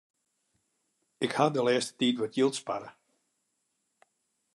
Ik haw de lêste tiid wat jild sparre.